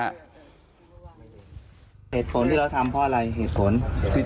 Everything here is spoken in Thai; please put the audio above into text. เหตุผลที่เราทำเพราะอะไรเหตุผล